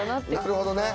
なるほどね。